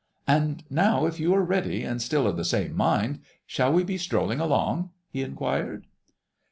"And now, if you are ready and still of the same mind, shall we be strolling along?" he inquired.